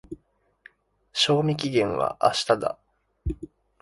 賞味期限は明日だ。